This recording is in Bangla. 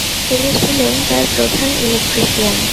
তিনি ছিলেন তার প্রধান ইলেক্ট্রিশিয়ান।